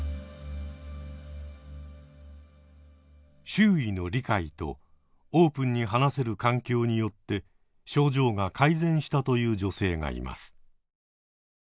周囲の理解とオープンに話せる環境によって症状が改善したという女性がいます。